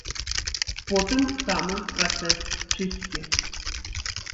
Потым самы працэс чысткі.